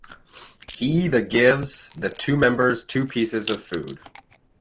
He the gives the two members two pieces of food.